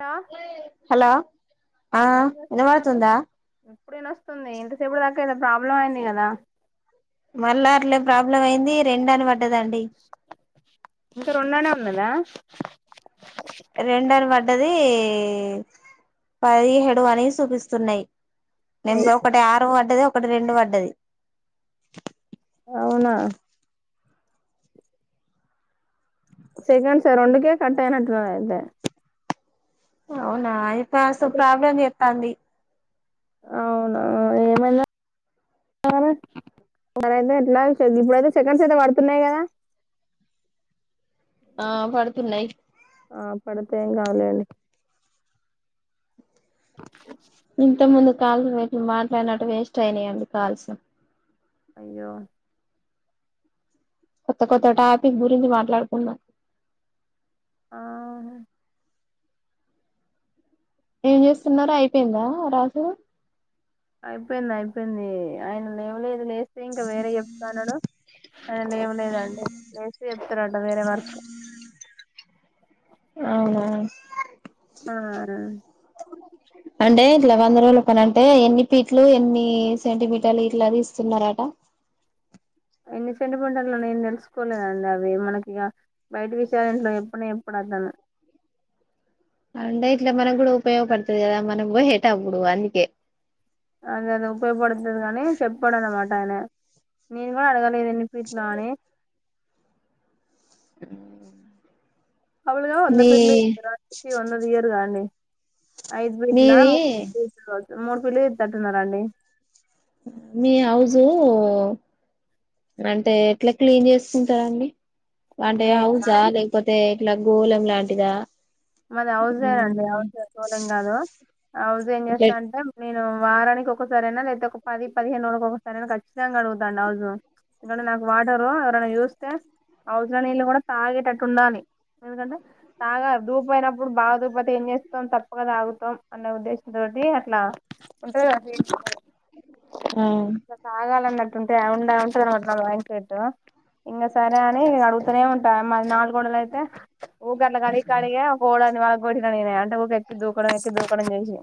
Hello hello ఆ ఇనబడుతుందా? ఇప్పుడినోస్తుంది, ఇంతసేపటి దాకా ఏదో ప్రాబ్లం అయింది గదా. మళ్ళ అట్లే ప్రాబ్లం అయింది, రెండనిపట్ ఇంక రూమ్లోనే వున్నదా? రెంటర్మ డ్డది పదిహేడు అని చూపిస్తున్నయ్. నేమ్లే ఒకటి ఆరు పడ్డది ఒక్ క్కటి రెండు పడ్డది. అవునా శశాంత్ సార్ రెండుకే కట్ అయినట్టున్నడు అయితే. అవునా, అయితాసు అయితే ప్రాబ్లమ్ చెత్త్ తాంది అవునా, ఏమైంద [inaudible] ఎట్లమరి మరైతే ఎట్లా ఇప్పుడైతే చికెన్స్ అయితే పడుతున్నాయి గదా. ఆ పడుతున్నయి పడితే కాదులేండి ఇంత ముందుక్ కాళ్ళు పెట్టి మాట్లాడినట్టు వేస్ట్ అయినయండి కాల్స్. అయ్యో కొత్త కొత్త టాపిక్ గురించి మాట్లాడుకుందాం ఆహ్ ఏం చేస్తున్నరు, అయిపోయిందా రాసుడు? అయిపోయిందయిపోయింది, ఆయన లేవలేదు లేస్ తె ఇంకా వేరే చెప్తాన్నాడు, అండ్ ఏం లేదండి లేస్తే చెప్తరట వేరే వర్క్. అవునా ఆవునా అంటే ఇట్ల వంద రోజుల పనంటే ఎన్ని పీట్లు, ఎన్ని సెంటీమీటర్లు ఇట్ల దీస్తున్నరట? ఎన్ని సెంటీమీటర్లనేం తెలుసుకోలేదండి అవి, మనకిగ బయటి విషయాలు ఇంట్ల చెప్పనే చెప్పడటన్న. అంటే ఇట్ల మనగ్గుడా ఉపయోగపడుతది కదా మనం పోయేటప్పుడు అందుకే. అసలు ఉపయోగపడుతది గనీ చెప్పడన్నమాట. టానా, నేన్ గుడా అడగన్ ఇదెన్ని ఫీట్లా అని. ఉమ్ అళగా ఉన్న పేర్లే ఎప్తారాండి ఉన్నది ఇయ్యరు కానీ ఐదు బెడ్ల మీది మూడు మూడు పిల్లు ఎత్తట్టున్నారాండి మీ హౌజు అంటే ఎట్లా క్లీన్ చేసుకుంటారండి అంటే హౌజా లేకపోతే ఇలా గోలం లాంటిదా మది హౌజేనండి హౌజ సోలం కాదు హౌజ్ ఏం చేస్తా అంటే నేను వారానికి ఒకసారి అయినా లేతే ఒక పది పదిహేనురోళ్ళకి ఒకసారి అయినా ఖచ్చితంగా కడుగుతా అండి హౌజు ఎందుకంటే నాకు వాటరు ఎవరైనా చూస్తే హౌజు లో నీళ్ళు కూడా తాగేటట్టు ఉండాలి ఎందుకంటే తాగ దూపోయినప్పుడు బాలేక పోతే ఏం చేస్తాం తప్పుగా తాగుతాం అన్న ఉద్దేశంతోటి అట్లా ఉంటది కదా ఆ అట్లా తాగాలన్నట్ అంటే ఆ ఉండాలంటే బ్యాంకెట్టు ఇంకా సరే అని కడుగుతూనే ఉంటా మాది నాలుగొడలైతే ఊర్కే అట్ల కడిగి కడిగ కోడన్ని వళ్ళకొట్టిన నేనే అంటే ఒక ఎక్కి దూకడం ఎక్కి దూకడం చేసి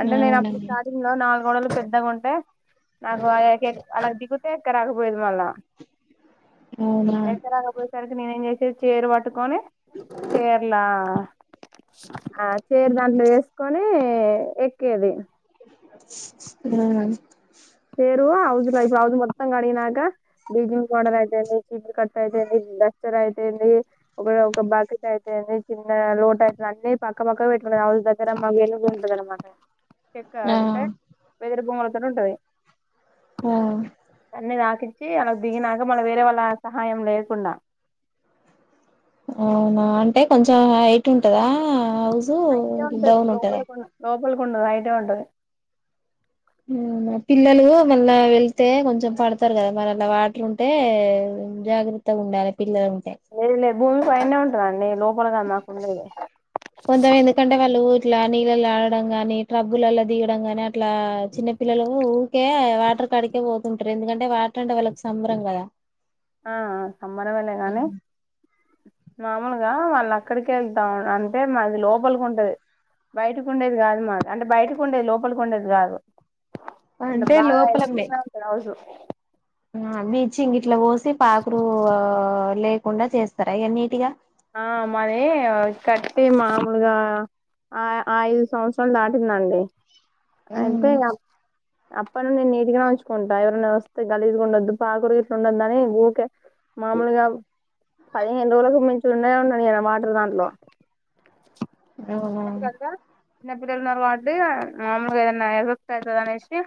అంటే నేను అప్పుడు అవునండి స్టార్టింగ్ లో నా కోడలు పెద్దగా ఉంటే నాకు అలా దికుతే ఎక్కరాకపోయేది గల్లా అవునా ఎక్క రాకపోయేసరికి నేను ఏం చేసేది చేరు పట్టుకొని చేర్లా ఆ చేర్ దాంట్లో వేసుకొని ఏ ఎక్కేది ఉమ్ పేరు హౌస్ లో హౌస్ మొత్తం కడిగినాక బ్లీజింగ్ పౌడర్ అయితేంది చీపురు కట్ట అయితేంది డస్టర్ అయితేంది ఒక ఒక బకెట్ అయితేంది చిన్న లోట అయితుంది అన్నీ పక్క పక్క పెట్టుకుంది హౌస్ దగ్గర మా వెలుగు ఉంటది కదా మాకి చెక్క ఆ అంటే వెదురు భూములు అని ఉంటది ఆ అనేదకిడికి వాళ్ళకు దిగినాక మళ్ళ వేరే వాళ్ళ సహాయం లేకుండా అవునా అంటే కొంచెం హయిట్ ఉంటదా హౌజు డౌన్ ఉంటదా కుండ బయటే ఉంటది ఉమ్ పిల్లలు మళ్ళా వెళ్తే కొంచెం పడతారు కదా మరి అలా వాటర్ ఉంటే జాగ్రత్తగా ఉండాలి పిల్లలు ఉంటే లేదు లేదు భూమి పైన్నే ఉంటదండి లో మాకుండేది క్లానిగలు లాగడం కాని తబ్బుల్లలో దిగడం గాని ఇట్లా చిన్నపిల్లలు కే వాటర్ కడికే పోతుంటారు ఎందుకంటే వాటర్ అంటే వాళ్ళకి సంబరం కదా ఆ సంబరమే లే గానీ మాముూలుగా వాళ్ళు అక్కడికి వెళ్తాం అంటే మాది లోపలికి ఉంటేది బయటకు ఉండేది కాదు మాది అంటే బయటకు ఉండేది లోపలికి ఉండేది కాదు ఎట్ల అంటే బాగా లోపలనే ఇస్తున్నా ఉ రావుజు చెంగ ఇట్ల పోసి పాక్రూ లేకుండా చేస్తారు అ నీటిగా ఆ మరి కట్టి మామూలుగా ఆ ఐదు సంవత్సరాలు దాటిందండి అంతేగా పను నేను నేతిగా ఉంచుకుంటాను ఎవరైనా వస్తే గలీదుగా ఉండొద్దు పాకురు ఇట్లా ఉండొదుని ఊకే మామూలుగా పదిహేను రోజులుగా ఉండనే ఉందనియ్యారు మాటర్ దాట్లో ఆ చిన్నపిిల్లలు ఉన్నారు వాట్టి మామూలుగా ఏదనా ఎఫెక్ట్ అవుతుంది అనేసి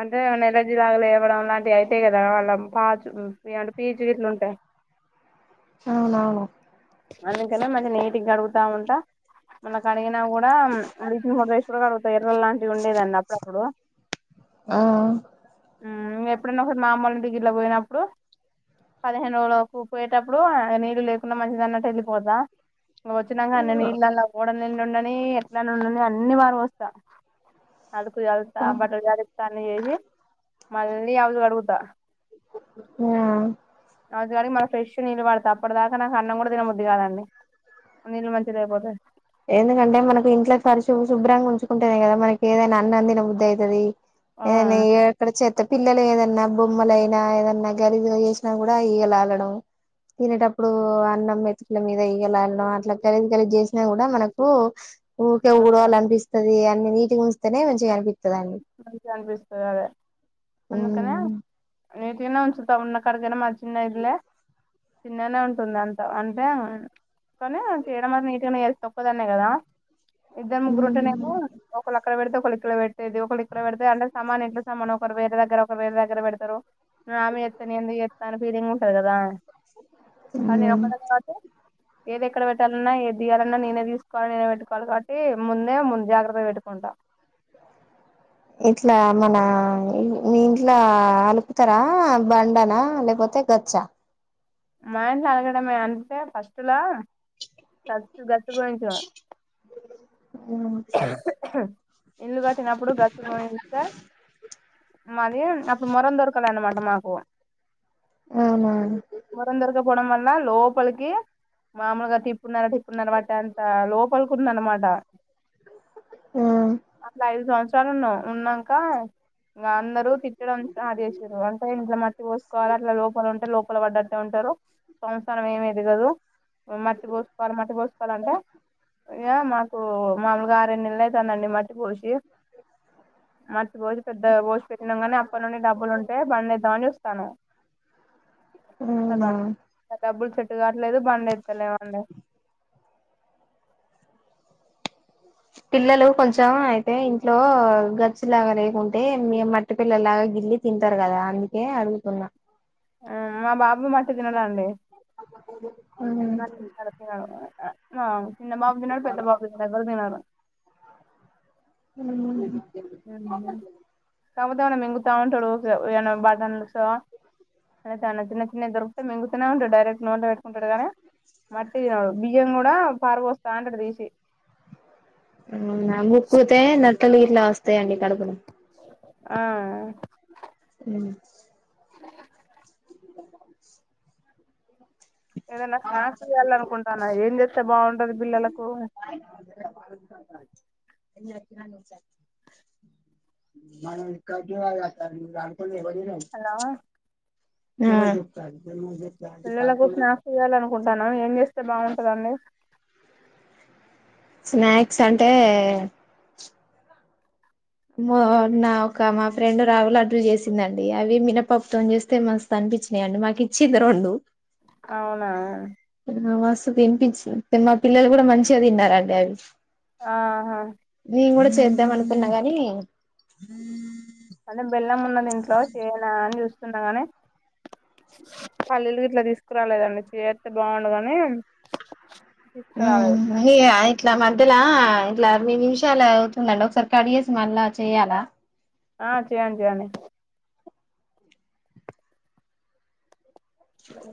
అంటే ఏమ ఎలర్జీ లాగలే ఇవ్వడం లాంటివి అయితాయి కదా వాళ్ళ పాచుంట పీచ గీట్లు ఉంటాయి అవునవును అందుంకనే మన ఆడుగుతా ఉంటా మన కూడా ఇ మూడు రసు కూడా కడుగుత ఎర్ర లాంటివి ఉండేదండి అప్పుడు అప్పుడు ఆ ఎప్పుడైనా ఒకసారి మామూలు డిగిలో పోయినప్పుడు పదిహేను రోజు పోయేటప్పుడు నీళ్ళు లేకుండా మంచిద అన్నట్టు వెళ్ళిపోతాం వచ్చినక అన్నీ నీళ్లాల్ల ఎండ ఉండని ఎట్లా ఉండని అన్ని వారు పోస్తా అలుకు చల్లుత బటలు జాడిస్తా అన్ని చేసి మళ్ళీ హౌస్ కడుగుత ఆమ్ హౌజు కడిగి మళ్ళీ ఫ్రెష్ నీళ్ళు పడతా అప్పటి దాకా నాకు అన్నం కూడా తినబుద్ది కాదండి నీళ్ళు మంచిగా అయిపోతే ఎందుకంటే మనకి ఇంట్లో పరిశు శుభ్రంగా ఉంచుకుంటేనే కదా మనకి ఏదైనా అన్నాం తిన బుద్ధి అవుతాది ఆ ఏంది ఏక్కడ చెత్త పిల్లలు ఏదన్నా బొమ్మలైనా ఏదన్నా గలీజు గా చేసినా కూడా ఈగలాలడం తినేటప్పుడు అన్నం మెతుకుల మీద ఈగలాలడం అట్లా గలిజు గలీజు చేసి కూడా మనకు ఊరికే ఆ ఊడవాల అనిపిస్తది అది అన్ని నీటిగా ఉంచితేనే మంచిగా అనిపిస్తాది మంచిగా అనిపిస్తది అదే అందుకనే ఉమ్ నీటికినా ఉంచుతా అక్కడికైనా మ చిన్న ఇల్లే నీటిగానే ఉంటుంది అంట అంటే కానీ చేయడం మరి నీట్గానే చేస్తా ఒక్కదాన్నే కదా [unintelligible] ఇద్దరు ముగ్గురు ఉంటేనేమో ఒక అక్కడ పెడితే ఒకలు ఇక్కడ పెట్టేది ఒకడ పెడితే అంటే సమాన ఇట్లో సమాన్న ఒక వే దగ్గర ఒకరు వేర దగ్గర పెడతారు ఆమె ఎస్తాను ఎందుకు చెస్తా అని ఫీలింగ్ ఉంటది కదా కానీ ఉమ్ ఒకటి తరువాత ఏదేక్కడ పెట్టాలన్నా ఏదియాలన్నా నేనే తీసుకోవాలి. నేనే పెట్టుకోవాలి కాబట్టి ముందే ముందు జాగ్రత్త పెట్టుకుంటా. ఇట్లా మన మీ ఇంట్లో అలుపుతారా, బండనా లేపోతే గచ్చ. మా ఇంట్ల అలకడమే అంతే ఫస్ట్ లా గచ్చు గచ్చు పోయించినం అ [unintelligible] హ [unintelligible] ఇల్లు గట్టినప్పుడు గచ్చు పోయిస్తే మాది అప్పుడు మొరొందొరకలే అనమాట మాకు ఔనా మొరం దొరకపోవడం లోపలికి మాములు గా తిప్ కున్న తిప్కున్నా తర్వాతా టంత లోప్ కోలుకుందన్న మాట అట్ల ఐదు సంవత్సరాల్ [unintelligible] ఉన్నం ఉన్నంకా ఇంగా అందరూ తిట్టడం స్టార్ట్ చేసిర్రు. అంటే ఇంట్లో మట్టి పోసుకోవాల అట్లా లోపల ఉంటే లోపల పడటె ఉంటారు. మనం ఏమేది కదు మట్టి పోసుకోవా, లి మట్టి పోసుకోవాలంటే ఇగా మాకు మామ్లుగా ఆర్ ఎడ్ నిల్ అవుతా అండి మట్టి పోసి మట్టి పోసి పెద్దగా పోసి పెట్టినం గానీ. అప్పటీ నుండి డబ్బులు ఉంటే బంద్దెమని చూస్తానం. అవునా కదా డబ్బులు సేట్ సేట్ కావట్లేదు బండేత్తలేమండి. పిల్లలు కొంచెం అయితే ఇంట్లో గర్చ్చిలాగా లేేకుంటే. మట్టి పిల్లలులాగా గిల్లి తింటారు కదా. అందుకే అడుగుతున్నా. ఆ మా బాబు మాట్ ట్టు తినడండి ఆ చిన్న బాబు దినాడు పెద్ద బాబు దినడు ఎవర్ దినరు మ్ కాకపోతే ఏమనా మింగుతా ఉంటాడు. ఏ బటన్లు స [unintelligible] అన్న చిన్న చిన్నవి దొరుకితే మింగుతూనే ఉంటాడు. డైరెక్ట్ నిన్లో పెట్టుకుంటాడు కానీ. మట్టి తినడు బియ్యం కూడా పారపోస్తా అంటాడు తీసి నువ్ నమ్ముకుతే నట్టలిగిట్ ట్లా వస్తాయండి. కడూపుల ఆ హ్మ్ ఏదైనా స్నాక్స్ చేయాలి అనుకుంటున్నా. ఏం చేస్ స్తే భావుం టాది. పిల్లలాకు మాన్ కంటే [unintelligible] కొన్ని వదిలాం హలో ఆ పిల్లలకు స్నాక్స్ చేయ్యాలనుకుంటన్నాను ఏం చేస్ తె బాగుంటదండి? స్నాక్స్ అంటే మో నా ఒక మా ఫ్రెండ్ రావ లడ్డుల్ చేసిందండి. అవి మినపప్పుతోని చేస్తే మస్తు అనిపించినాయండి. మాకిచ్చిండ రొండు అవునా మస్తు తినిపీచ్చు. మా పిల్లలు కూడా మంచిగా తిన్నారండి అవి. ఆహా చేద్దమనకున్నగాన్ ఇ మనం బెల్ రమ్మన్నాన్ ఇంట్లో చేయనా అని చూస్ తుండ కాని, పల్లీలు గిట్లా తీసుకురాలేదండి చేత్తే బాగుండదని తీసుకురాలేదు. ఇట్లా మధ్యలా ఇట్లా అర్ని నిమిషాలు అవుతుందండి ఒకసారి కడిగేసి మళ్ళా చెయాలా? ఆ చేయండి చేయండి సరే